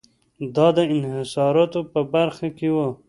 دا د انحصاراتو په برخه کې و.